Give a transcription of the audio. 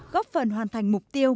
góp phần hoàn thành mục tiêu